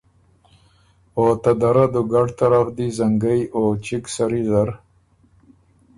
او ته دَرَۀ دُوګډ طرفن دی زنګئ او چِګ سری زر